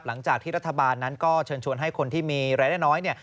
หลังจากที่รัฐบาลนั้นก็เชิญชวนให้คนที่มีรายได้น้อยเนี่ย